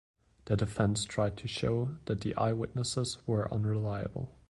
The defense tried to show that the eyewitnesses were unreliable.